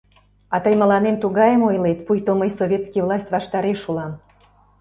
А тый мыланем тугайым ойлет, пуйто мый советский власть ваштареш улам.